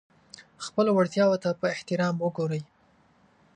خپلو وړتیاوو ته په احترام وګورئ.